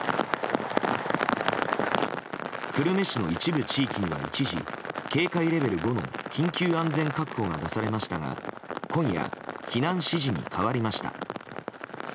久留米市の一部地域には一時警戒レベル５の緊急安全確保が出されましたが今夜、避難指示に変わりました。